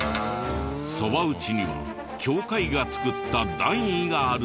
そば打ちには協会が作った段位があるそうで。